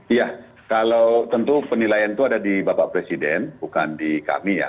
iya kalau tentu penilaian itu ada di bapak presiden bukan di kami ya